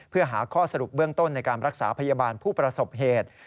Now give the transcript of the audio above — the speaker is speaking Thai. เพื่อหาข้อสรุปเบื้องต้นในการรักษาพยาบาลผู้ประสบเหตุ